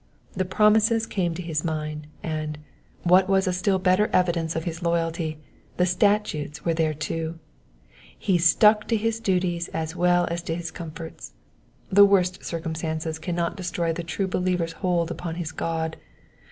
The promises came to his mind, and, what was a still better evidence of his loyalty, the statutes were there too : he stuck to his duties as well as to his comforts. The worst circumstances cannot destroy the true believer's hold upon his God.